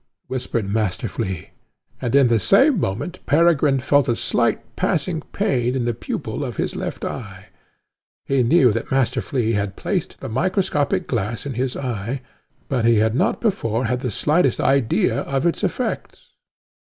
whispered Master Flea, and in the same moment Peregrine felt a slight passing pain in the pupil of his left eye. He knew that Master Flea had placed the microscopic glass in his eye, but he had not before had the slightest idea of its effects.